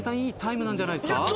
いいタイムなんじゃないですか？